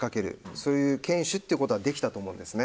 そういう堅守ということはできたと思うんですね。